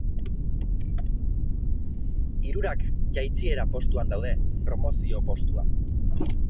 Hirurak jaitsiera postuan daude eta hiru puntura dute promozio postua.